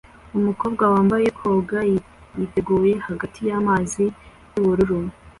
Umukobwa wambaye koga yiteguye hagati yamazi yubururu